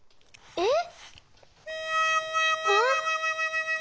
えっ！？